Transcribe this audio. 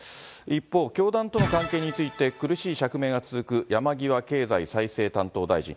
一方、教団との関係について苦しい釈明が続く山際経済再生担当大臣。